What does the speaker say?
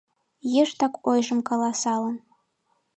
Йыштак ойжым каласалын: